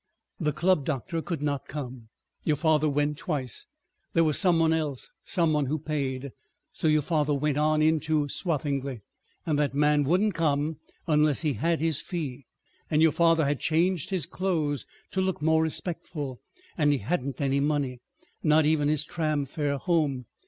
"The club doctor could not come. Your father went twice. There was some one else, some one who paid. So your father went on into Swathinglea, and that man wouldn't come unless he had his fee. And your father had changed his clothes to look more respectful and he hadn't any money, not even his tram fare home.